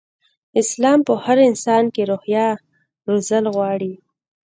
اسلام په هر انسان کې روحيه روزل غواړي.